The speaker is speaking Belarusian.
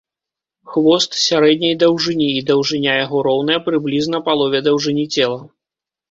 Хвост сярэдняй даўжыні, і даўжыня яго роўная прыблізна палове даўжыні цела.